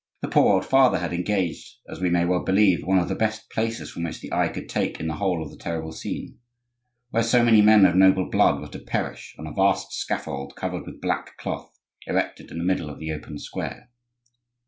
The poor old father had engaged, as we may well believe, one of the best places from which the eye could take in the whole of the terrible scene, where so many men of noble blood were to perish on a vast scaffold covered with black cloth, erected in the middle of the open square.